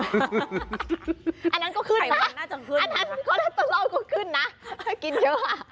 อันนั้นก็ขึ้นระน่าจะขึ้นอ่ะอันนั้นก็น่าจะขึ้นนะกินเยอะหว่า